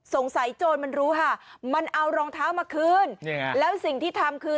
สงสัยโจรมันรู้ฮะมันเอารองเท้ามาคืนนี่ยังไงแล้วสิ่งที่ทำคือ